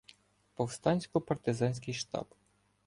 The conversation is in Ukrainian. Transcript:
Повстансько-партизанський штаб